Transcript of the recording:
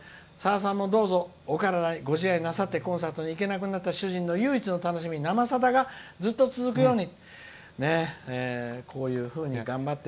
さださんもお体にご自愛なさってコンサートに行けなくなった主人の唯一の楽しみ「生さだ」がずっと続くように」。